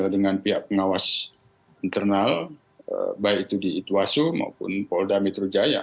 dengan pihak pengawas internal baik itu di ituasu maupun polda mitrujaya